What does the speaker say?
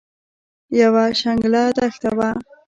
یوه شګلنه دښته وه.